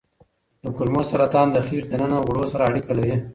د کولمو سرطان د خېټې دننه غوړو سره اړیکه لري.